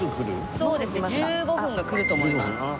そうですね１５分が来ると思います。